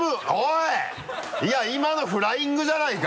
いや今のフライングじゃないか？